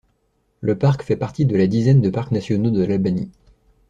Le parc fait partie de la dizaine de parcs nationaux de l’Albanie.